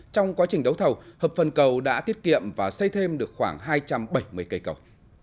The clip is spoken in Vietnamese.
trong quá trình đấu thầu hợp phần cầu đã tiết kiệm và xây thêm được khoảng hai trăm bảy mươi cây cầu